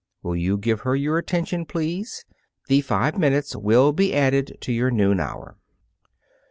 Will you give her your attention, please. The five minutes will be added to your noon hour."